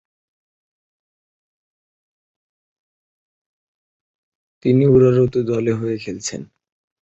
তিনি উরারতু দলের হয়ে খেলেন।